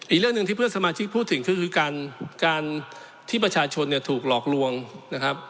อีกเรื่องหนึ่งที่เพื่อนสมาชิกพูดถึงก็คือการที่ประชาชนเนี่ยถูกหลอกลวงนะครับ